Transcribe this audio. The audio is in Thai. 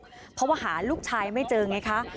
เพราะว่าหาลูกชายไม่เจอไงคะ